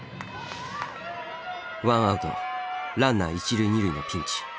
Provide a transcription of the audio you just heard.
ワンアウトランナー一塁二塁のピンチ。